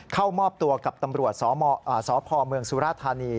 เข้ามอบตัวกับตำรวจสพเมืองสุราธานี